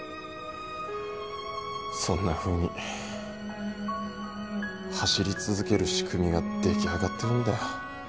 そんなふうに走り続ける仕組みが出来上がってるんだよ。